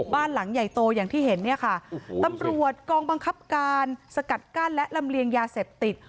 บ้านหลังใหญ่โตอย่างที่เห็นเนี่ยค่ะตำรวจกองบังคับการสกัดกั้นและลำเลียงยาเสพติด